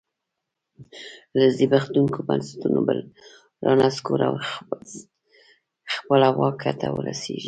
له زبېښونکو بنسټونو بل رانسکور او خپله واک ته ورسېږي.